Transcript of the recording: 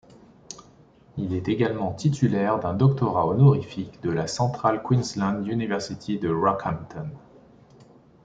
Il est également titulaire d'un doctorat honorifique de la Central Queensland University de Rockhampton.